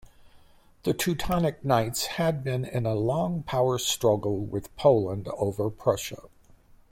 The Teutonic Knights had been in a long power struggle with Poland over Prussia.